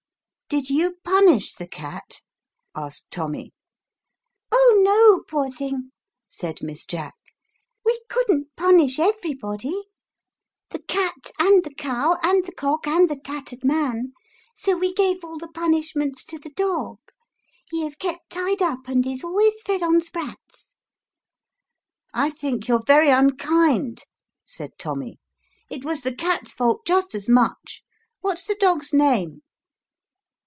"Did you punish the cat?" asked Tommy. " Oh no, poor thing !" said Miss Jack. " We couldn't punish everybody the cat and the cow and the cock and the tattered man ; so we gave all the punishments to the dog. He is kept tied up, and is always fed on sprats." "I think you're very unkind," said Tommy; "it was the cat's fault just as much. What's the dog's name?"